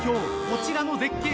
こちらの絶景